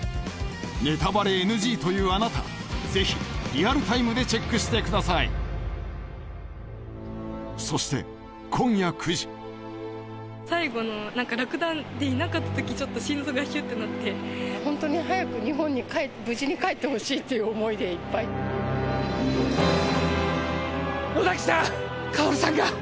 ネタバレＮＧというあなたぜひリアルタイムでチェックしてくださいそして最後の何かラクダでいなかった時ちょっと心臓がヒュッてなってホントに早く日本に無事に帰ってほしいっていう思いでいっぱい野崎さん薫さんが！